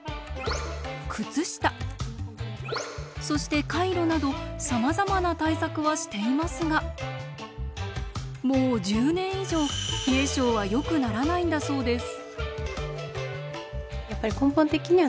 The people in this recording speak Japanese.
そしてカイロなどさまざまな対策はしていますがもう１０年以上冷え症はよくならないんだそうです。